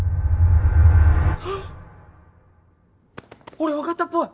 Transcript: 俺分かったっぽい。